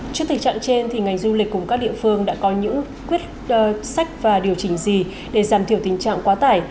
trước tình trạng trên ngành du lịch cùng các địa phương đã có những quyết sách và điều chỉnh gì để giảm thiểu tình trạng quá tải